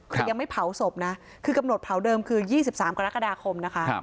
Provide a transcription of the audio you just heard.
แต่ยังไม่เผาศพนะคือกำหนดเผาเดิมคือ๒๓กรกฎาคมนะคะ